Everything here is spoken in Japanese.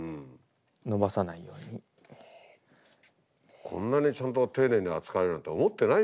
こんなにちゃんと丁寧に扱えるなんて思ってないよね。